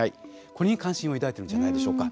これに関心を抱いているんじゃないでしょうか。